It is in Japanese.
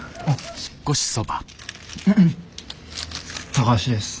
高橋です。